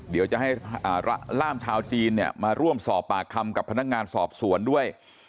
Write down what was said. เดี๋ยวจะให้ล่ามชาวจีนเนี่ยมาร่วมสอบปากคำกับพนักงานสอบสวนด้วย